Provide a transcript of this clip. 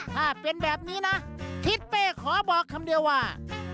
ถ้าเป็นแบบนี้นะทิศเป้ขอบอกคำเดียวว่า